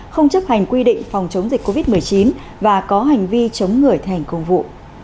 không chấp hành quy định phòng chống dịch covid một mươi chín và có hành vi chống người thi hành công vụ